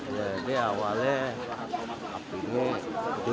jadi awalnya apinya gede